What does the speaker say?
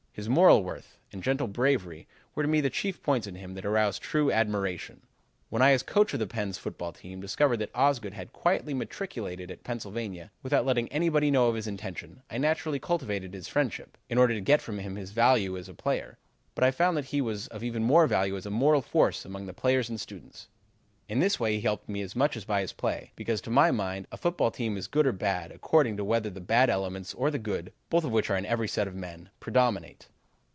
His moral worth and gentle bravery were to me the chief points in him that arouse true admiration. When I, as coach of Penn's football team, discovered that Osgood had quietly matriculated at Pennsylvania, without letting anybody know of his intention, I naturally cultivated his friendship, in order to get from him his value as a player; but I found he was of even more value as a moral force among the players and students. In this way he helped me as much as by his play, because, to my mind, a football team is good or bad according to whether the bad elements or the good, both of which are in every set of men, predominate.